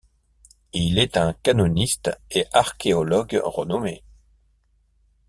Il est un canoniste et archéologue renommé.